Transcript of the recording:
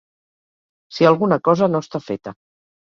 Si alguna cosa no està feta.